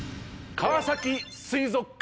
川崎水族館。